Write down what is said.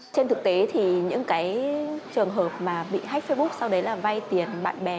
trên thực tế thì những cái trường hợp mà bị hách facebook sau đấy là vay tiền bạn bè